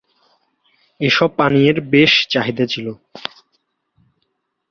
এসব পানীয়ের বেশ চাহিদা ছিল।